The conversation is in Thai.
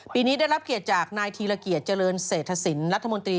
ปีนี้ได้รับเกียรติจากนายธีรเกียจเจริญเศรษฐศิลป์รัฐมนตรี